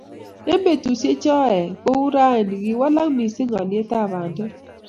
eng betusiechoe, kou rani ko kiwoolu mising olyekab bandek